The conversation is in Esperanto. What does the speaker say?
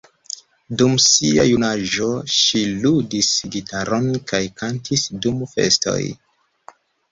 Dum sia junaĝo ŝi ludis gitaron kaj kantis dum festoj.